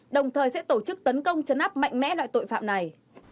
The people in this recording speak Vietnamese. đồng thời sẽ tổ chức tấn công chấn áp mạnh mẽ loại tội phạm này